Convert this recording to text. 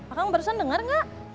akang barusan denger gak